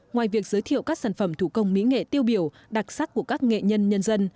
ngoài việc giới thiệu các sản phẩm thủ công mỹ nghệ tiêu biểu đặc sắc của các nghệ nhân nhân dân